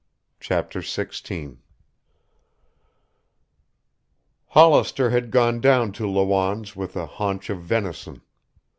CHAPTER XVI Hollister had gone down to Lawanne's with a haunch of venison.